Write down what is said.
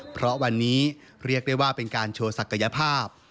เพราะวันนี้เรียกได้ว่าเป็นการโชว์ศักยภาพ